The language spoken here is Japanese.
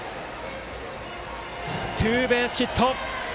ツーベースヒット！